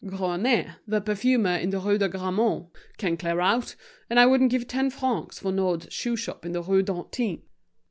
Grognet, the perfumer in the Rue de Grammont, can clear out, and I wouldn't give ten francs for Naud's shoeshop in the Rue d'Antin.